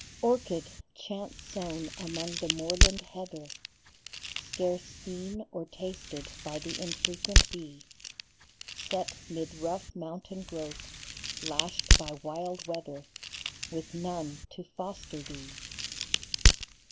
"JRCHID, chance sown among the moorland heather, Scarce seen or tasted by the infrequent bee, Set mid rough mountain growths, lashed by wild weather, With none to foster thee.